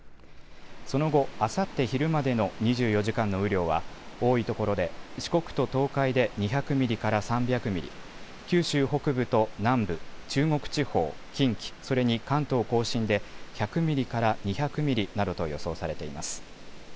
その後、あさって昼までの２４時間の雨量は多いところで四国と東海で２００ミリから３００ミリ、九州北部と南部、中国地方、近畿、それに関東甲信で１００ミリから２００ミリなどと予想されています。